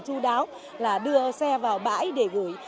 chú đáo là đưa xe vào bãi để gửi